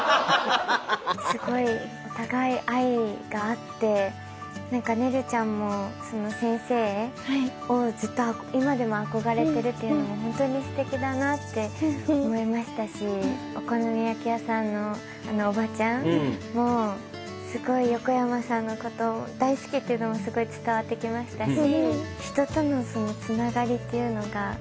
すごいお互い愛があって何かねるちゃんも先生をずっと今でも憧れてるっていうのも本当にすてきだなって思いましたしお好み焼き屋さんのあのおばちゃんもすごい横山さんのこと大好きっていうのもすごい伝わってきましたし。